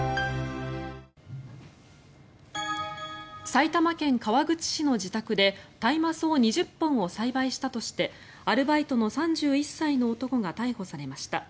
埼玉県川口市の自宅で大麻草２０本を栽培したとしてアルバイトの３１歳の男が逮捕されました。